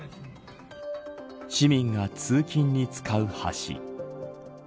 市民が通勤に使う橋。